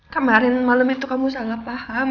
kemarin malam itu kamu sangat paham